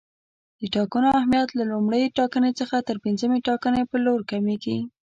د ټاکنو اهمیت له لومړۍ ټاکنې څخه تر پنځمې ټاکنې پر لور کمیږي.